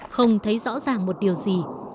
không thấy rõ ràng một điều gì